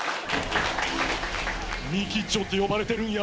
・・ミキっちょって呼ばれてるんや。